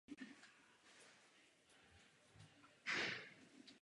Dochází tak k procesu budování společenského světa.